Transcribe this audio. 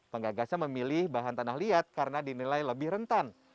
penggagasnya memilih bahan tanah liat karena dinilai lebih rentan